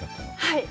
はい。